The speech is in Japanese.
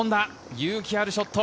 勇気あるショット。